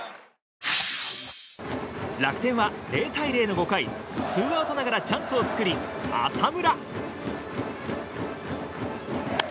楽天は０対０の５回ツーアウトながらチャンスを作り浅村。